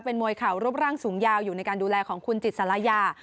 มวยเข่ารูปร่างสูงยาวอยู่ในการดูแลของคุณจิตสารยา